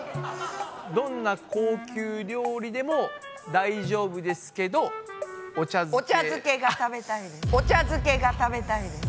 どんな高級料理でも大丈夫ですけどお茶漬け。